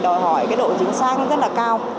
đòi hỏi độ chính xác rất là cao